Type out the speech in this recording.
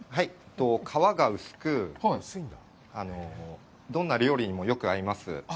皮が薄く、どんな料理にもよく合います。